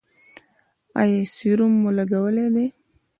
ایا سیروم مو لګولی دی؟